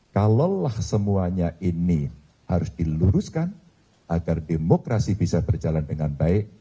kalaulah semuanya ini harus diluruskan agar demokrasi bisa berjalan dengan baik